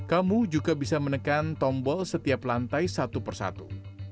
kamu juga bisa menekan tombol setiap lantai satu persatu